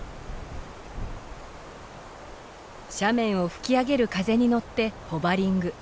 斜面を吹き上げる風に乗ってホバリング。